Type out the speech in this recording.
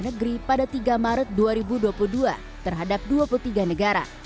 negeri pada tiga maret dua ribu dua puluh dua terhadap dua puluh tiga negara